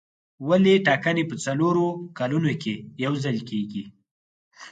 ولې ټاکنې په څلورو کلونو کې یو ځل کېږي.